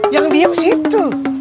yang diem situ